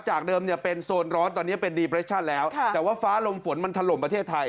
จากเดิมเนี่ยเป็นโซนร้อนตอนนี้เป็นดีเปรชั่นแล้วแต่ว่าฟ้าลมฝนมันถล่มประเทศไทย